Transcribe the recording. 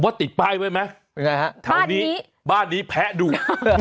ผมว่าติดป้ายไว้มั้ยบ้านนี้แพ้ดูก